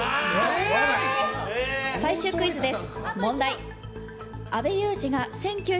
最終クイズです。